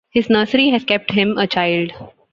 His nursery has kept him a child.